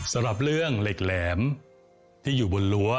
สำหรับเรื่องเหล็กแหลมที่อยู่บนรั้ว